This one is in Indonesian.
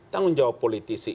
tanggung jawab politisi